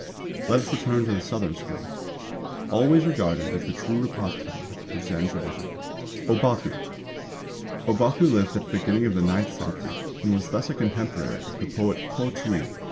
Let us return to the Southern School, always regarded as the true repository of Zen tradition. ŌBAKU. Ōbaku lived at the beginning of the ninth century, and was thus a contemporary of the poet Po Chü i.